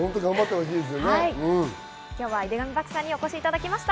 今日は井手上漠さんにお越しいただきました。